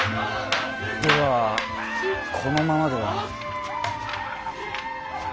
ではこのままでは？